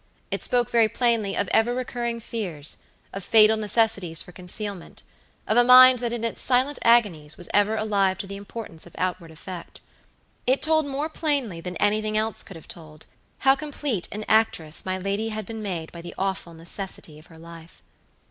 It spoke very plainly of ever recurring fearsof fatal necessities for concealmentof a mind that in its silent agonies was ever alive to the importance of outward effect. It told more plainly than anything else could have told how complete an actress my lady had been made by the awful necessity of her life.